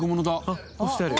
あっ干してある。